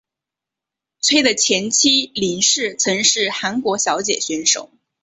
崔的前妻林氏曾是韩国小姐选手。